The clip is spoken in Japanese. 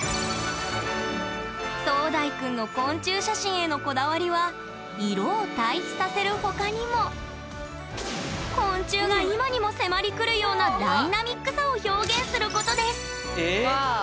壮大くんの昆虫写真へのこだわりは色を対比させる他にも昆虫が今にも迫り来るようなダイナミックさを表現することですワーオ！